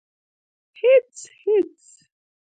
_هېڅ ، هېڅ.